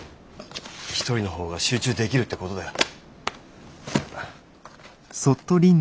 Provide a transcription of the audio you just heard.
一人の方が集中できるってことだよ。